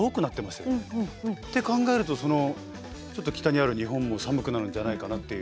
って考えるとちょっと北にある日本も寒くなるんじゃないかなっていう。